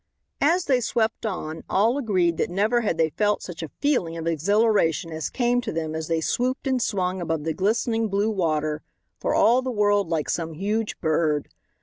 As they swept on, all agreed that never had they felt such a feeling of exhilaration as came to them as they swooped and swung above the glistening blue water, for all the world like some huge bird.